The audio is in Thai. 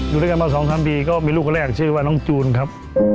อยู่ด้วยกันมา๒๓ปีก็มีลูกคนแรกชื่อว่าน้องจูนครับ